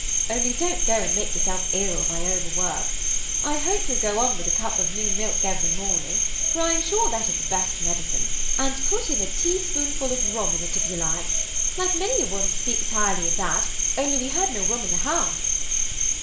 "Only don't go and make yourself ill by over work. I hope you'll go on with a cup of new milk every morning, for I am sure that is the best medicine; and put a teaspoonful of rum in it, if you like; many a one speaks highly of that, only we had no rum in the house."